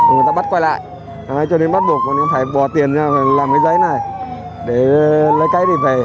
người ta bắt quay lại cho đến bắt buộc mình phải bỏ tiền ra làm cái giấy này để lấy cái để về